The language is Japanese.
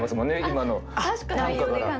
今の短歌から。